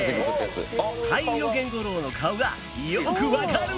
ハイイロゲンゴロウの顔がよくわかる！